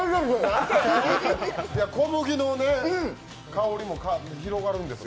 小麦の香りも広がるんですよ。